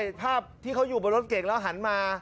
เช่นให้ภาพที่เขาอยู่ในรถเก๋งแล้วหันมา